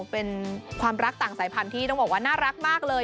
เป็นความรักต่างสายพันธุ์ที่ต้องบอกว่าน่ารักมากเลย